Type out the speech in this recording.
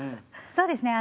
そうですね